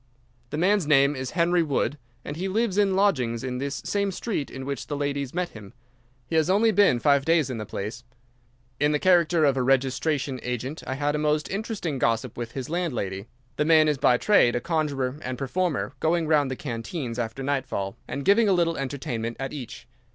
The man's name is Henry Wood, and he lives in lodgings in this same street in which the ladies met him. He has only been five days in the place. In the character of a registration agent I had a most interesting gossip with his landlady. The man is by trade a conjurer and performer, going round the canteens after nightfall, and giving a little entertainment at each.